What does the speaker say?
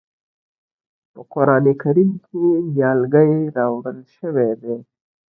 په قرآن کریم کې نیالګی راوړل شوی دی.